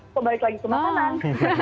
kok balik lagi ke makanan